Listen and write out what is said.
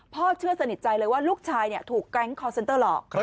พ่อเชื่อสนิทใจเลยว่าลูกชายถูกแก๊งคอร์เซ็นเตอร์หลอก